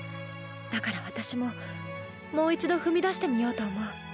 だから私ももう一度踏み出してみようと思う。